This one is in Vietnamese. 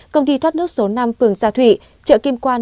công ty thoát nước số năm phường gia thụy chợ kim quan